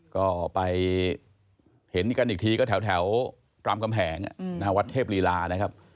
ก็ไปเห็นกันอีกทีก็แถวรามกำแหงวัดเทพลีลานะครับ